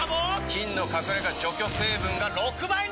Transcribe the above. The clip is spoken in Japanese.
菌の隠れ家除去成分が６倍に！